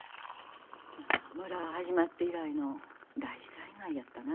村始まって以来の大災害やったな。